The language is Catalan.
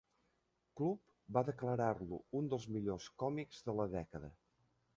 Club va declarar-lo un dels millors còmics de la dècada.